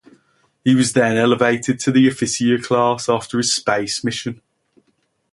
He was then elevated to the "officier" class after his space mission.